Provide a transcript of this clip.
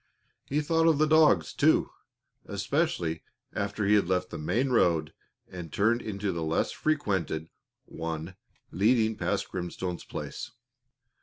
He thought of the dogs, too, especially after he had left the main road and turned into the less frequented one leading past Grimstone's place.